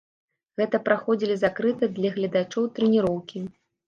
Гэта праходзілі закрытыя для гледачоў трэніроўкі.